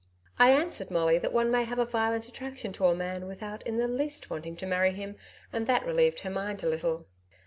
I answered Molly that one may have a violent attraction to a man without in the least wanting to marry him, and that relieved her mind a little.